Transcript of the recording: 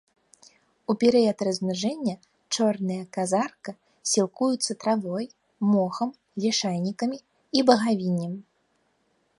У перыяд размнажэння чорныя казарка сілкуюцца травой, мохам, лішайнікамі і багавіннем.